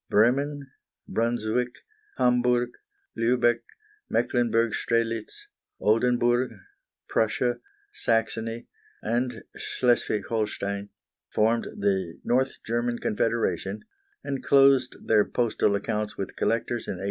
Bremen, Brunswick, Hamburg, Lubeck, Mecklenburg Strelitz, Oldenburg, Prussia, Saxony, and Schleswig Holstein formed the North German Confederation, and closed their postal accounts with collectors in 1868.